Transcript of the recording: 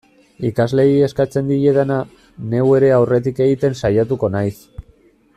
Ikasleei eskatzen diedana, neu ere aurretik egiten saiatuko naiz.